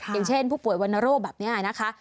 อย่างเช่นผู้ป่วยวรรณโรคแบบนี้นะคะ